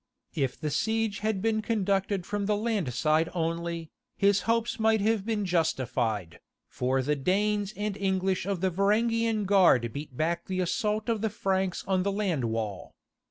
If the siege had been conducted from the land side only, his hopes might have been justified, for the Danes and English of the Varangian Guard beat back the assault of the Franks on the land wall.